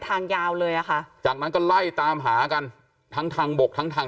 ทางยาวเลยอ่ะค่ะจากนั้นก็ไล่ตามหากันทั้งทางบกทั้งทาง